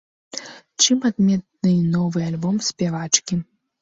Чым адметны новы альбом спявачкі?